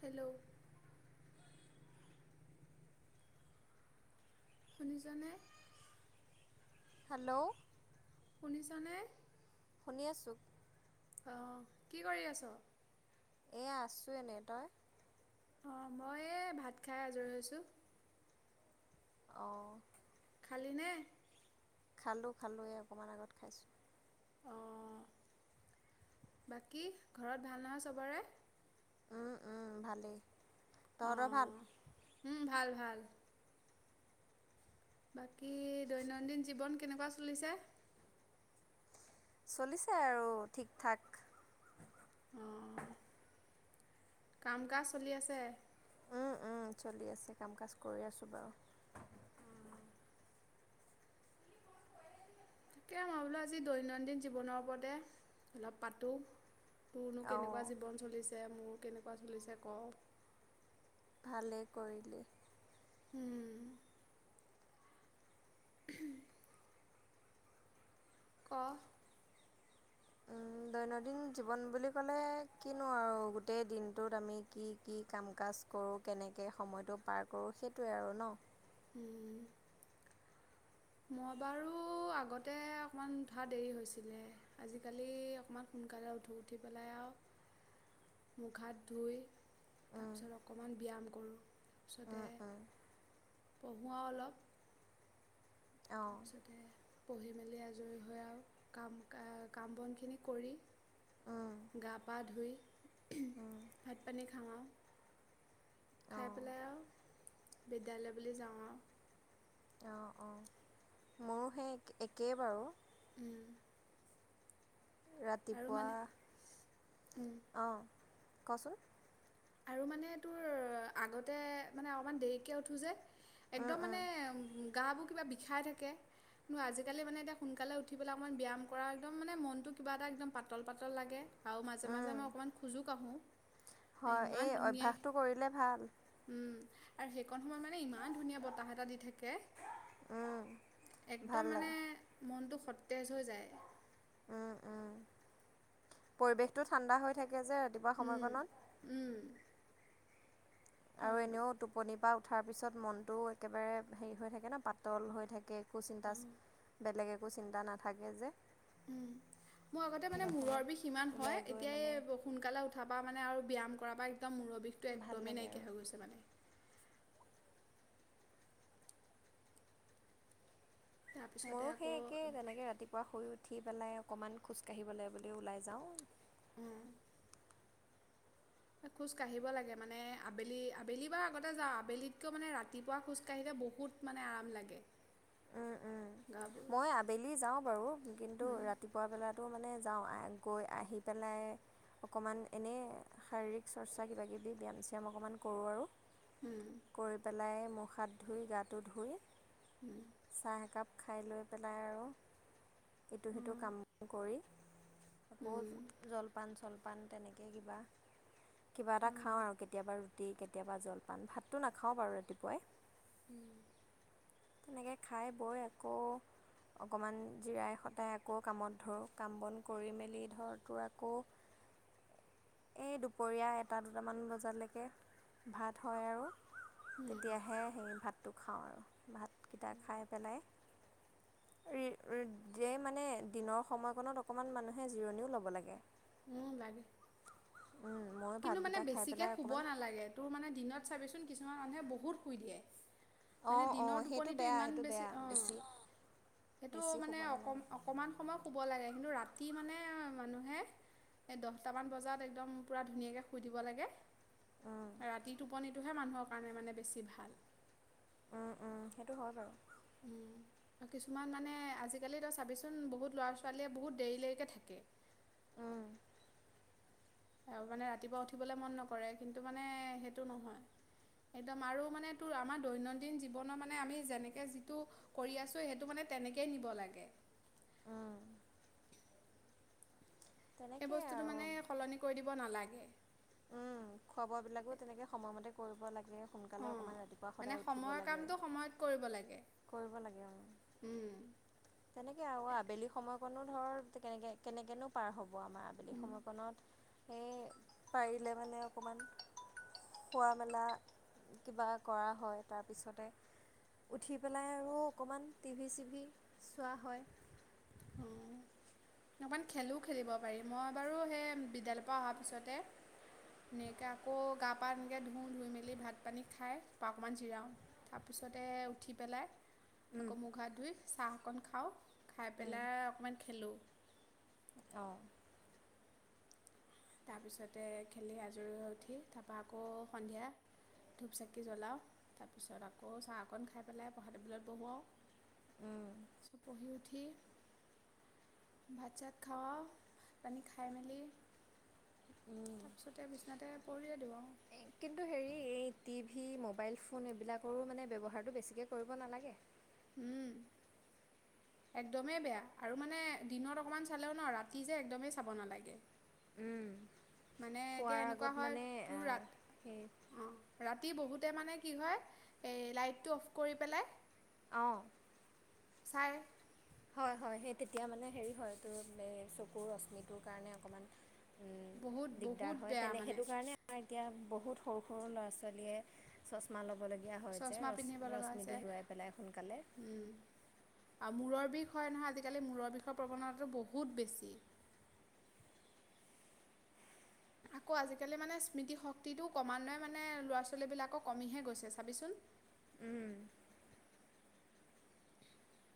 Hello শুনিছা নে hello শুনিছানে? শুনি আছোঁ। আহ কি কৰি আছ এ আছো এনে তই অ মই ভাত খাই আজৰি হৈছোঁ অ খালিনে? খালোঁ খালো অকণমান আগত খাইছোঁ অঁ বাকী ঘৰত ভাল নহয় চবৰে। উম উম ভালেই। তহঁতৰ ভাল। বল বাকী দৈনন্দিন জীৱন কেনেকুৱা চলিছে। চলিছে আৰু ঠিক ঠাক অঁ কাম কাজ চলি আছে। উম উম চলি আছে কাম কাজ কৰি আছোঁ বাৰু অঁ তাকে মই বোলো আজি দৈনন্দিন জীৱনৰ ওপৰতে অলপ পাতোঁ তোৰনো কেনেকুৱা অঁ জীৱন চলিছে মোৰ কেনেকু কা চলিছে কওঁ ভালে কৰিলি উম হম ক উ দৈনন্দিন জীৱন বুলি ক'লে কিনো আৰু গোটেই দিনটোত আমি কি কি কাম কাজ কৰো কেনেকে সময়টো পাৰ কৰোঁ সেইটোৱে আৰু ন উম মই বাৰু আগতে অকণমান উঠা দেৰি হৈছিলে আজিকালি অকণমান সোনকালে উঠো উঠি পেলাই আৰু মুখ হাত ধুই তাৰ উম পিছত অকমান ব্যায়াম উম তা পাছতে উম উম পঢ়ো আৰু অলপ অঁ তাৰপিছতে পঢ়ি মেলি আজৰি হৈ আৰু কাম কা কাম বনখিনি কৰি উম গা পা ধুই উম ভাত পানী খাওঁওঁ খাই অঁ পেলাই আৰু বিদ্যালয় বুলি যাওঁ অও অঁ অঁ মোৰো সেই একেই বাৰু উম ৰাতিপুৱা অঁ কচোন আৰু মানে তোৰ আগতে মানে অকমান দেৰিকে উঠো যে উম একদম উম মানে গা বু কিবা বিষাই থাকে কিন্তু আজিকালি মানে এতিয়া সোনকালে উঠি পেলাই অকণমান ব্যায়াম কৰা একদম মানে মনটো কিবা এটা একদম পাতল পাতল লাগে আৰু মাজে উম মাজে মই অকণমান খোজো কাঢ়ো হয় এই অভ্যাসটো কৰিলে ভাল উম, আৰু সেই কণ সময় মানে ইমান ধুনীয়া বতাহ এটা দি থাকে উম একদম ভাল মানে লাগে মনটো ফুৰ তেজ হৈ যায় পৰিৱেশতটো ঠাণ্ডা হৈ থাকে সেই যে ৰাতিপুৱা উম, সময়কনত উম, অ, আৰু এনেও টোপনি পৰা ঠাৰ পিছত মনটোও একেবাৰে হেৰি হৈ থাকে ন পাতল হৈ থাকে কু চিন্তাচ বেলেগে একো চিন্তা নাথাকে যে উম মোৰ আগতে মানে সেইকণ সময়ত মূৰৰ বিষ সিমান হয় ওলাই গৈ মানে এতিয়াই সোনকালে উঠ পা মানে আৰু ব্যায়াম কৰা বা একাৰ মূৰৰ বিষটো ভাল একদমেই লাগে নাইকিয়া আৰু হৈ গৈছে মানে তাৰপিছতে মইো সেই আকৌ একেই তেনেকে ৰাতিপুৱা শুই উঠি পেলাই অকণমান খোজকাাঢ়িবলৈ বুলি ওলাই যাওঁ। উম খোজ কাঢ়িব লাগে মানে আবেলি আবেলি বাৰু আগতে যাওঁ আবেলিতকৈ মানে ৰাতিপুৱা খোজকাঢ়িলে বহুত মানে আৰাম লাগে। উম, উম। গাবোৰ মই আবেলি যাওঁ বাৰু কিন্তু উম, ৰাতিপুৱা বেলাতো মানে। যাওঁ গৈ আহি পেলাই অকণমান এনেই শাৰীৰিক চৰ্চা কিবাকিবি ব্যায়াম চ্যাম অকণমান কৰোঁ আৰু উম, কৰি পেলাই মুখ হাত ধুই গাটো ধুই চাহ একাপ খাই লৈ পেলাই আৰু ইটো সিটো অ', কাম কৰি আকৌ উম, জলপান চলপান, পাণ তেনেকৈ কিবা। কিবা এটা খাওঁ অ', আৰু কেতিয়াবা। ৰাতি কেতিয়াবা জলপান ভাতটো নাখাওঁ বাৰু ৰাতিপুৱাই উম তেনেকৈ খাই বৈ আকৌ অকণমান জিৰাই সটাই আকৌ কামত ধৰোঁ কাম বন কৰি মেলি ধৰ তোৰ আকৌ এই দুপৰীয়া এটা দুটামান বজালৈকে ভাত হয় আৰু তেতিয়াহে সেই ভাত ভাতটো খাওঁ আৰু ভাত, কেইটা খাই পেলাই মানে দিনৰ সময়কণত অকণমান মানুহে জিৰণিও ল'ব লাগে অ লাগে ময়ো কিন্তু মানে ভাতকেইটা খাই বেছিকৈ পেলাই শুব অকণমান নালাগে তোৰ মানে দিনত চাবিচোন কিছুমান মানুহে বহুত শুই দিয়ে। মানে অঁ অঁ দিনৰ সেইটো টোপনিটো বেয়া ইমান সেইটো বেছি বেয়া অঁ সেইটো বেছি মানে শুব অ নালাগে অকণমান সময় শুব লাগে কিন্তু ৰা ৰাতি মানে মানুহে এই দহটামান বজাত একদম পূৰা ধুনীয়াকৈ শুই দিব লাগে ৰাতি টোপনিটোহে মানুহৰ কাৰণে মানে বেছি ভাল উম উম সেইটো হয় বাৰু আৰু কিছুমান মানে আজিকালিতিতো চাবিচোন বহুত ল'ৰা ছোৱালীয়ে বহুত দেৰিলৈকে থাকে। আৰু মানে ৰাতিপুৱা উঠিবলৈ মন নকৰে কিন্তু মানে সেইটো নহয় একদম আৰু মানে আমাৰ দৈনন্দিন জীৱনৰ মানে আমি যেনেকে যিটো কৰি আছো সেইটো মানে তেনেকেই নিব লাগে। উম এই বস্তুটো আৰু মানে সলনি কৰি দিব নালাগে। উম খোৱা বোৱাবিলাকো তেনেকৈ সময়মতে কৰিব লাগে সোনকালে অঁ অকণমান ৰাতিপুৱা মানে সদায় উঠিব সময়ৰ লাগে কামটো সময়ত কৰিব লাগে কৰিব লাগে উম, তেনেকে আৰু আবেলি সময়ত। নো ধৰ কেনেকে কেনেকন পাৰ হ'ব। হ'ব আমাৰ আবেলি সময়ত। উম পাৰিলে মানে অকণমান, খোৱা মেলা কিবা কৰা হয় তাৰপিছতে উঠি পেলাই আৰু অকণমান টি ভি চিভি চোৱা হয়। অ অকণমান খেলো খেলিব পাৰি, মই বাৰু সেই বিদ্যালয়ৰ পৰা অহাৰ পিছতে এনেকৈ আকৌ গা পা এনেকৈ ধুওঁ ধুই মেলি ভাত পানী খাই ত অকণমান জিৰাও তাৰপিছতে উঠি পেলাই। উম আকৌ মুখ হাত ধুই চাহ। অকণ খাওঁ খাই। উম পেলাই অকণমান খেলোঁ। অঁ। তাৰপিছতে খেলি আজৰি হৈ উঠি, তাৰপৰা আকৌ সন্ধিয়া ধূপ চাকি জ্বলাওঁ তাৰপিছত আকৌ চাহ অকণ খাই পেলাই পঢ়া টেবুলত উম বহোৱাওঁ। চ। পঢ়ি উঠি ভাত চাত খাওঁ, ভাত পানী খাই মেলি। উম তাৰপিছতে। তাতে পৰিয়ে দিও অ। কিন্তু হেৰি, এই টি ভি মোবাইল ফোন এইবিলাকৰো মানে ব্যৱহাৰটো বেছিকে কৰিব নালাগে। উম, একদমেই বেয়া আৰু মানে দিনত অকমান চালেও ন ৰাতি যে একদমেই চাব নালাগে। উম। মানে এতিয়া শোৱাৰ এনেকুৱা আগত হয়, মানে তোৰ ৰা সেই অ ৰাতি বহুত। পঢ়োতে মানে কি হয় এ লাইটটো অফ কৰি পেলাই। অঁ। চাই। হয় হয়, সেই তেতিয়া মানে হেৰি হয় তোৰ এই চকুৰ ৰশ্মিটোৰ কাৰণে অকণমান। বহুত দিগদাৰ বহুত হয় বেয়া তেনে মানে। সেইটো কাৰণে আমাৰ এতিয়া, বহুত সৰু সৰু ল'ৰা ছোৱালীয়ে চচমা ল'ব। লবলগীয়া হয় যে, চশমা পিন্ধিব লগা হৈছে ৰশ্মিতো হেৰাই পেলাই সোনকালে। আৰু মূৰৰ বিষ হয় নহয় আজিকালি, মূৰৰ বিষৰ প্ৰৱণতাটো বহুত বেছি। আকৌ আজিকালি মানে, স্মৃতিশক্তিটো ক্ৰমানে মানে ল'ৰা ছোৱালীবিলাকক কমিহে গৈছে চাবিচোন। উম।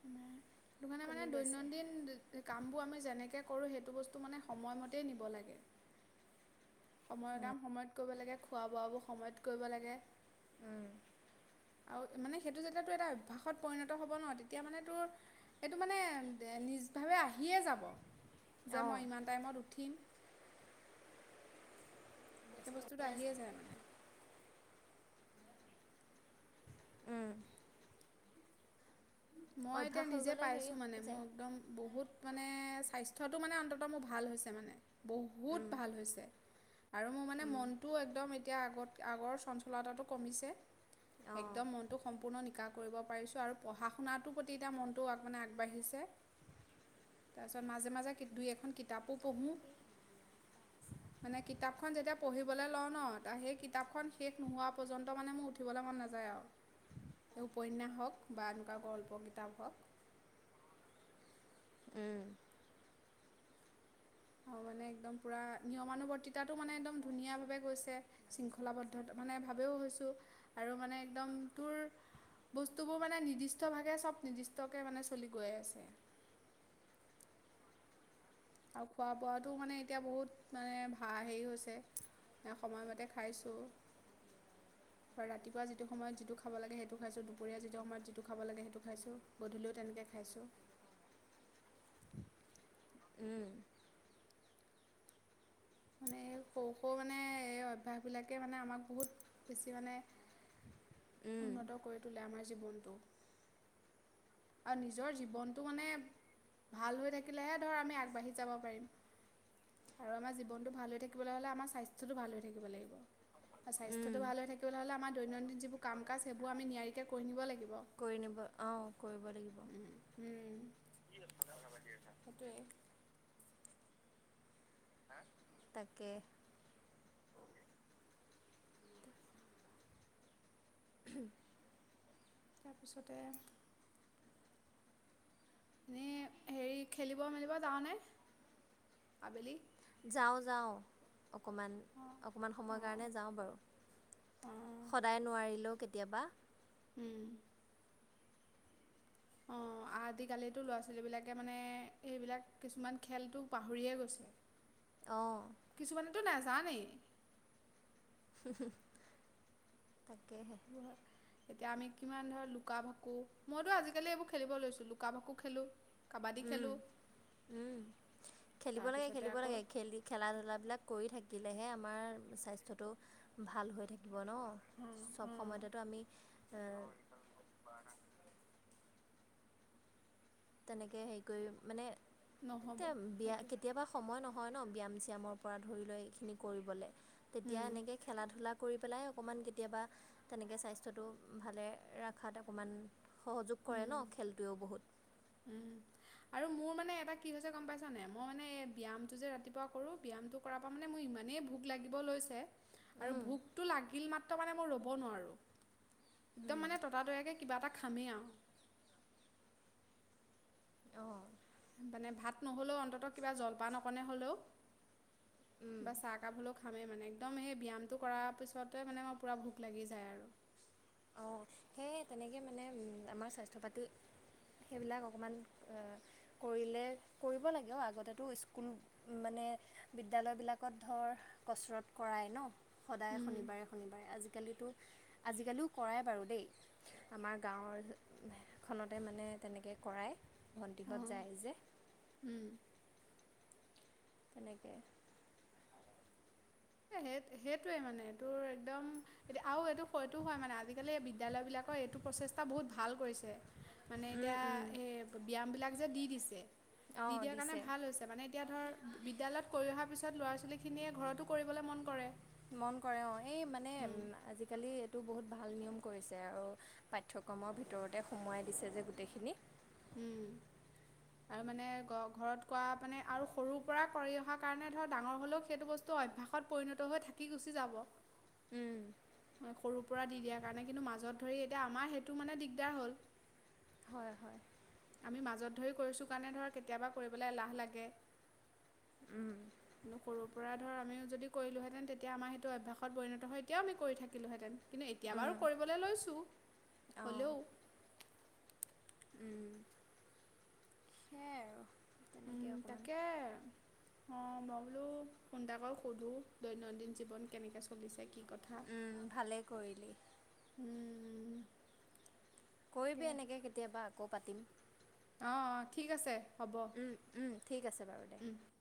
আমাৰ। সেইটো কাৰণে মানে কমি গৈছে। দৈনন্দিন। কাম আমি যেনেকে কৰোঁ, সেইটো বস্তু মানে সমম নিব লাগে। সময়ৰ কাম সময়ত কৰিব লাগে, খোৱা বোৱাবোৰ সময়ত কৰিব লাগে। উম। আৰু, মানে সেইটো যেতিয়া তোৰ এটা অভ্যাসত পৰিণত হ'ব ন তেতিয়া মানে তোৰ এইটো মানে নিজভাৱে আহিয়ে যাব। যে, অঁ মই ইমান টাইমত উঠিম। সেই বস্তুটো আহিয়ে যায় মানে। উম। মই এতিয়া হৈ নিজে গ'লে হেৰি পাইছোঁ মানে, হৈ মোৰ যায় একদম বহুত। মানে স্বাস্থ্যটো মানে অন্তত মোৰ ভাল হৈছে মানে। বহুত অঁ ভাল হৈছে, আৰু মোৰ মানে মনটোও একদম এতিয়া আগত। আগৰ চঞ্চলতাটো কমিছে। একদম মনটো সম্পূৰ্ণ নিকা। কৰিব পাৰিছোঁ আৰু পঢ়া। শুনাটোৰ প্ৰতি এতিয়া মনটো মানে আগবাঢ়িছে তাৰপিছত মাজে মাজে দুই এখন কিতাপো পঢ়োঁ মানে কিতাপখন যেতিয়া পঢ়িবলৈ লওঁ ন সেই কিতাপখন শেষ নোহোৱা পৰ্যন্ত মানে মোৰ উঠিবলৈ মন নাযায় আৰু স উপন্যাস হওক বা। প কিতাপ হওক গল্প কিতাপ হওক। উম, আৰু মানে একদম পুৰা নিয়মানুবৰ্তিতাটো মানে একদম ধুনীয়াভাৱে গৈছে শৃংখলাবদ্ধত মানে ভাৱেও হৈছোঁ আৰু মানে একদম তোৰ বস্তুবোৰ মানে নিৰ্দিষ্টভাগে চব নিৰ্দিষ্টকে মানে চলি গৈ আছে। আৰু খোৱা বোৱাাতটো মানে এতিয়া বহুত মানে ভা হেৰি হৈছে সময়মতে খাইছোঁ ৰাতিপুৱা যিটো সময়ত যিটো খাব লাগে সেইটো খাইছোঁ দুপৰীয়া যিটো সময়ত যিটো খাব লাগে সেইটো খাইছোঁ গধূলিও তেনেকৈ খাইছোঁ। উম, মানে এই সৰু -সৰু মানে এই অভ্যাসবিলাকে মানে আমাক বহুত বেছি মানে। উন্নত কৰি তোলে আমাৰ। জীৱনটো। আৰু নিজৰ জীৱনটো মানে ভাল হৈ থাকিলেহে ধৰ আমি আগবাঢ়ি যাব পাৰিম আৰু আমাৰ জীৱনটো ভাল হৈ থাকিবলৈ হ'লে আমাৰ স্বাস্থ্যটো ভাল হৈ থাকিব লাগিব স্বাস্থ্যটো ভাল হৈ থাকিবলৈ হ'লে আমাৰ দৈনন্দিন যিবোৰ কাম কাজ সেইবোৰ আমি নিয়াৰিকৈ কৰি নিব লাগিব। কৰি নিব অঁ সেইটোৱেই [unintelligible] তাকে হোম। তাৰপিছতে। এনেই হেৰি খেলিব মেলিব যাবনে আবেলি। যাওঁ যাওঁ। অকণমান অকণমান সময়ৰ কাৰণে যাওঁ বাৰু সদায় নোৱাৰিলেও কেতিয়া। কেতিয়াবা। উম। অ' আজিকালো ল'ৰা ছোৱালীবিলাকে মানে এইবিলাক কিছুমান খেলটো পাহৰিয়ে অঁ গৈছে কিছুমানেতো নাজান। যাবনে উহু, তাকেহে। এতিয়া আমি কিমান ধৰ লুকা ভাকু মইতো আজিকালি এইবোৰ খেলিব লৈছো লুকা ভাকু খেলো। উম -উম খেলিব লাগে তাৰপিছতে খেলিব আকৌ লাগে খেলি খেলা ধূলা বিলাক কৰি থাকি। থাকিলেহে আমাৰ স্বাস্থ্যটো ভাল হৈ থাকে। দিব ন চব সময়তেতো আমি। তেনেকে হেৰি কৰি মানে। নহ'ব এ বিয়া সেইটোৱে কেতিয়াবা সময় নহয়। হয় ন ব্যায়াম চিয়ামৰ পৰা ধৰি লৈ এইখিনি কৰিবলৈ। তেতিয়া উম, এনেকে খেলা -ধূলা কৰি পেলাই অকণমান কেতিয়াবা তেনেকৈ স্বাস্থ্যটো ভালে ৰখাত অকণমান। সহযোগ কৰে উম, ন খেলটোৱেও বহুত। আৰু মোৰ মানে এটা কি হৈছে গম পাইছানে মই মানে ব্যায়ামটো যে ৰাতিপুৱা কৰো ব্যায়ামটো কৰাৰ পৰা মানে মোৰ ইমানেই ভোক লাগিব লৈছে আৰু উম ভোকটো লাগিল মাত্ৰ মানে মই ৰ'ব নোৱাৰো একদম উম মানে ততাতৈয়াকে কিবা এটা খামেই আৰু হম মানে ভাত নহ'লেও অন্ততঃ কিবা জলপান অকনে হ'লেও উম। বা চাহ কাপ হলেও খামে মানে একদম সেই ব্যায়ামটো কৰাৰ পিছতে মানে মোৰ পুৰা ভোক লাগি যায় আৰু অঁ সেয়ে তেনেকৈ মানে আমাৰ স্বাস্থ্য পাতি সেইবিলাক অকণমান কৰিলে কৰিব লাগে আগতেতো স্কুল মানে বিদ্যালয়বিলাকত ধৰ কচৰৎ কৰাই ন সদায় উম, শনিবাৰে শনিবাৰে আজিকালিতো আজিকালিও কৰায় বাৰু দেই আমাৰ গাঁৱৰ খনতে মানে তেনেকৈ কৰায় ভণ্টিহঁত অঁ যায় যে উম। তেনেকে এ সেই সেইটোৱে মানে এইটোৰ একদম আৰু এইটো সটো হয় মানে আজিকালি বিদ্য়ালয় বিলাকৰ এইটো প্ৰচেষ্টা বহুত ভাল কৰিছে মানে উম এতিয়া উম এ ব্যায়াম বিলাক যে দি দিছে দি অঁ দিয়াৰ কাৰণে দিছে ভাল হৈছে মানে এতিয়া ধৰ বিদ্যয়ালয়ত কৰি অহাৰ পিছত ল'ৰা ছোৱলীখিনিয়ে ঘৰতো কৰিবলৈ মন কৰে মন কৰে অ এই মানে উম আজিকালি এইটো বহুত ভাল নিয়ম কৰিছে আৰু পাঠ্যক্ৰমৰ ভিতৰতে সোমোৱাই দিছে যে গোটেইখিনি উম আৰু মানে ঘৰত কোৱা মানে আৰু সৰু পৰা কৰি অহা কাৰণে ধৰ ডাঙৰ হলেও সেইটো বস্তু অভ্যাসত পৰিণত হৈ থাকি গুচি যাব উম, সৰুৰ পৰা দি দিয়াৰ কাৰণে কিন্তু মাজত ধৰি এতিয়া আমাৰ সেইটো মানে দিগদাৰ হ'ল হয় হয় আমি মাজত ধৰি কৰিছো কাৰণে ধৰ কেতিয়াবা কৰিবলৈ এলাহ লাগে উম নকৰো পৰা ধৰ আমিও যদি কৰিহেঁতেন তেতিয়া আমাৰ সেইটো অভ্যাসত পৰিণত হৈ এতিয়াও আমি কৰি থাকিলোঁহেঁতেন কিন্তু এতিয়া বাৰু উম, কৰিবলৈ লৈছোঁ অঁ হ'লেও উম, সেয়াই আৰু উম তেনেকৈ অকণমান তাকে অ মই বোলো ফোন এটা কৰি সোধো দৈনন্দিন জীৱন কেনেকে চলিছে চলিছে কি কথা উম, ভালেই কৰিলি উম কৰিবি এনেকে কেতিয়াবা আকৌ পাতিম অ অ ঠিক আছে হ'ব উম উম ঠিক আছে বাৰু দে